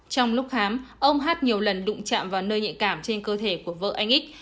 trong lúc khám ông hát nhiều lần đụng chạm vào nơi nhạy cảm trên cơ thể của vợ anh ích